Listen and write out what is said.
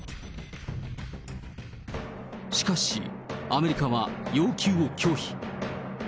しかしアメリカは、要求を拒否。